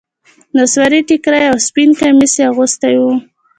نصواري ټيکری او سپين کميس يې اغوستي وو.